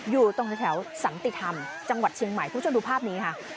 อยู่ตรงแถวสันติธรรมจังหวัดเชียงใหม่คุณผู้ชมดูภาพนี้ค่ะ